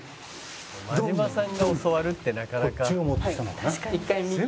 「真島さんが教わるってなかなか」何？